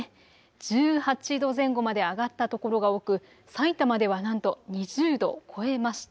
１８度前後まで上がったところが多くさいたまではなんと２０度を超えました。